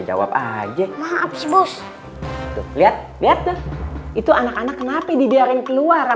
jawab aja maaf bos lihat lihat itu anak anak kenapa di biar yang keluar